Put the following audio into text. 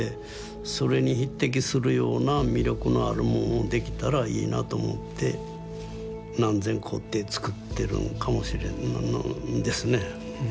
それに匹敵するような魅力のあるもんをできたらいいなと思って何千個って作ってるんかもしれんですね。